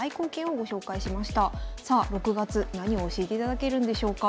さあ６月何を教えていただけるんでしょうか？